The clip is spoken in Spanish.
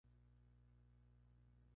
Cuantas menos piezas, menos problemas.